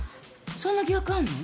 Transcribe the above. そんな疑惑あんの？